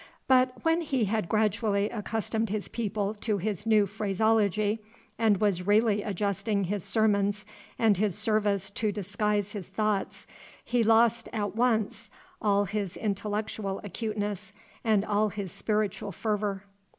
But when he had gradually accustomed his people to his new phraseology, and was really adjusting his sermons and his service to disguise his thoughts, he lost at once all his intellectual acuteness and all his spiritual fervor.